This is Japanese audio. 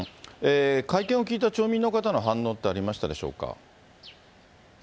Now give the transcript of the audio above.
会見を聞いた町民の方の反応ってありましたでしょうか。